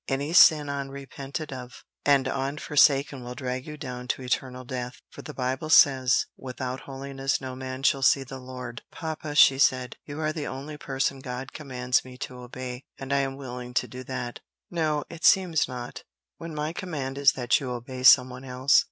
Any sin unrepented of and unforsaken will drag you down to eternal death; for the Bible says, 'Without holiness no man shall see the Lord.'" "Papa," she said, "you are the only person God commands me to obey, and I'm willing to do that." "No, it seems not, when my command is that you obey some one else.